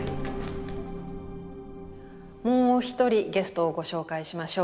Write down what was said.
もう一人ゲストをご紹介しましょう。